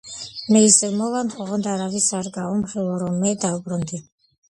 მე ისევ მოვალ, ოღონდ არავის, არ გაუმხილო, რომ მე დავბრუნდი.